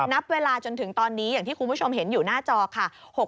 นับเวลาจนถึงตอนนี้อย่างที่คุณผู้ชมเห็นอยู่หน้าจอค่ะ